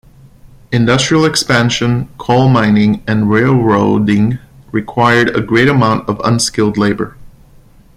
Industrial expansion, coal mining, and railroading required a great amount of unskilled labor.